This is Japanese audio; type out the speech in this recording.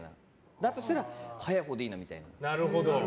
だとしたら早いほうでいいなみたいな。